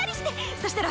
そしたら。